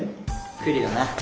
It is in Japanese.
来るよな？